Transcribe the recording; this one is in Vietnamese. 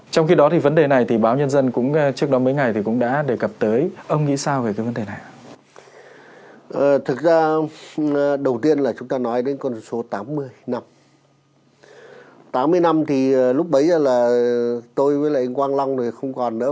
tôi với anh quang long thì không còn nữa